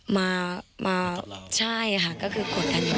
มามาใช่ค่ะก็คือควรทันอยู่กัน